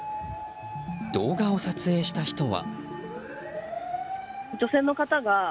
動画を撮影した人は。